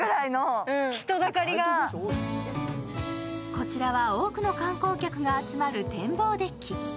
こちらは多くの観光客が集まる展望デッキ。